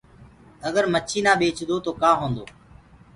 اگر مڇي نآ ٻيچدو تو ڪآ هوندو